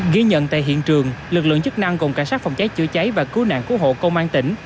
ghi nhận tại hiện trường lực lượng chức năng gồm cảnh sát phòng cháy chữa cháy và cứu nạn cứu hộ công an tỉnh